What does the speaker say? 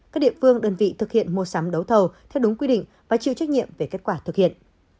các địa phương đơn vị thực hiện mua sắm đấu thầu theo đúng quy định và chịu trách nhiệm về kết quả thực hiện